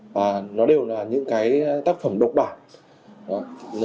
và nó đều là những cái tác phẩm độc bản